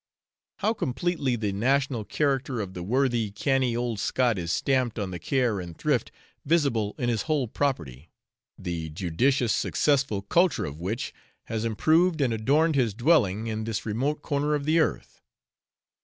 How completely the national character of the worthy canny old Scot is stamped on the care and thrift visible in his whole property, the judicious successful culture of which has improved and adorned his dwelling in this remote corner of the earth!